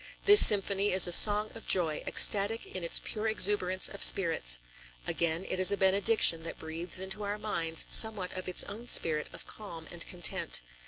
This symphony is a song of joy, ecstatic in its pure exuberance of spirits; again, it is a benediction that breathes into our minds somewhat of its own spirit of calm and content.